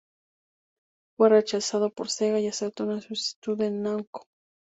Fue rechazado por Sega y aceptó una solicitud de Namco.